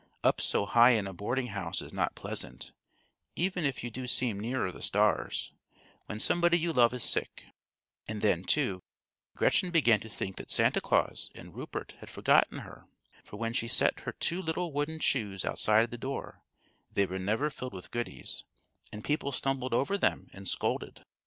Up so high in a boarding house is not pleasant (even if you do seem nearer the stars) when somebody you love is sick; and then, too, Gretchen began to think that Santa Claus and Rupert had forgotten her; for when she set her two little wooden shoes outside the door, they were never filled with goodies, and people stumbled over them and scolded.